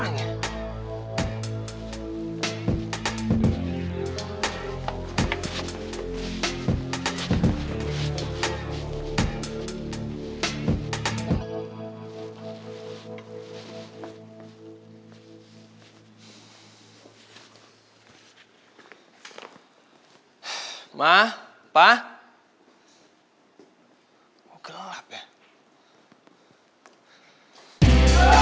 nggak ada orang ya